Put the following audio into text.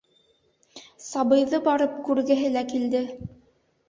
Сабыйҙы барып күргеһе лә килде.